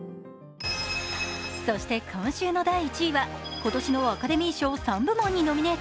そして今週の第１位は今年のアカデミー賞３部門にノミネート。